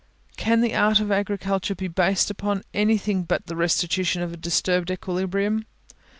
Can the art of agriculture be based upon anything but the restitution of a disturbed equilibrium?